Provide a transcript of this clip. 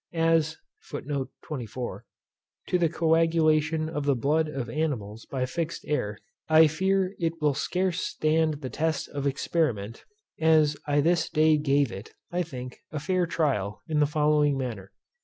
As to the coagulation of the blood of animals by fixed Air, I fear it will scarce stand the test of experiment, as I this day gave it, I think, a fair trial, in the following manner.